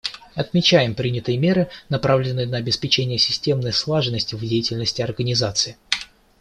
Отмечаем принятые меры, направленные на обеспечение системной слаженности в деятельности Организации.